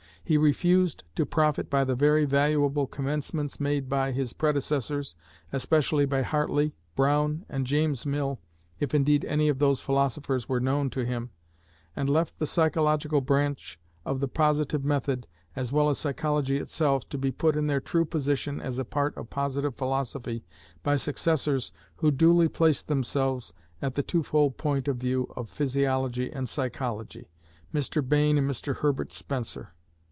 He refused to profit by the very valuable commencements made by his predecessors, especially by Hartley, Brown, and James Mill (if indeed any of those philosophers were known to him), and left the psychological branch of the positive method, as well as psychology itself, to be put in their true position as a part of Positive Philosophy by successors who duly placed themselves at the twofold point of view of physiology and psychology, Mr Bain and Mr Herbert Spencer.